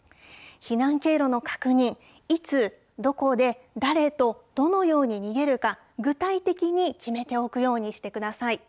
避難経路の確認、いつ、どこで誰とどのように逃げるか、具体的に決めておくようにしてください。